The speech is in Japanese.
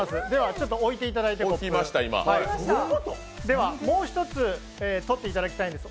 ちょっと置いていただいてもう一つ取っていただきたいんです。